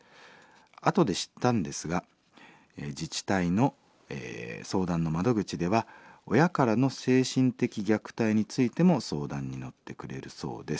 あとで知ったんですが自治体の相談の窓口では親からの精神的虐待についても相談に乗ってくれるそうです」。